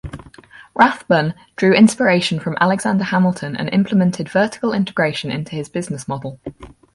Rathbun drew inspiration from Alexander Hamilton and implemented vertical integration into his business model.